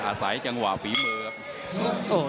อาศัยจังหวะฝีมือครับ